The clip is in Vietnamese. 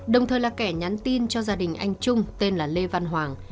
đồng thời là kẻ nhắn tin cho gia đình anh trung tên là lê văn hoàng